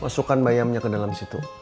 masukkan bayamnya ke dalam situ